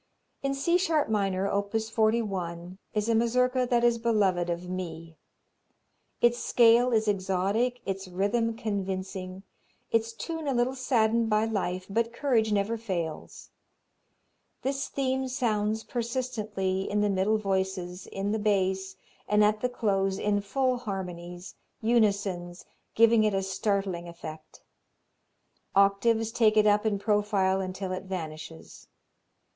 In C sharp minor, op. 41, is a Mazurka that is beloved of me. Its scale is exotic, its rhythm convincing, its tune a little saddened by life, but courage never fails. This theme sounds persistently, in the middle voices, in the bass, and at the close in full harmonies, unisons, giving it a startling effect. Octaves take it up in profile until it vanishes.